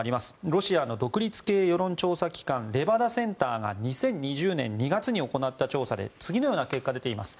ロシアの独立系世論調査機関レバダセンターが２０２０年２月に行った調査で次のような結果が出ました。